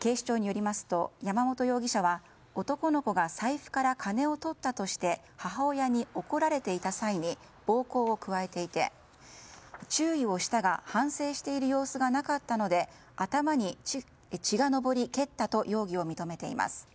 警視庁によりますと山本容疑者は男の子が財布から金をとったとして母親に怒られていた際に暴行を加えていて注意をしたが反省している様子がなかったので頭に血が上り蹴ったと容疑を認めています。